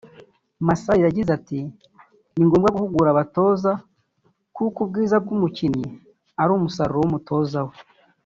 Masai yagize ati “Ni ngombwa guhugura abatoza kuko ubwiza bw’umukinnyi ari umusaruro w’umutoza we